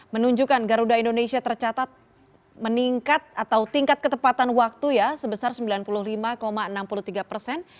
menunjukkan garuda indonesia tercatat meningkat atau tingkat ketepatan waktu ya sebesar sembilan puluh lima enam puluh tiga persen